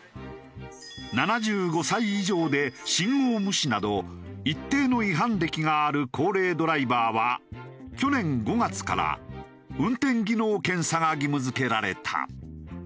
７５歳以上で信号無視など一定の違反歴がある高齢ドライバーは去年５月から運転技能検査が義務付けられた。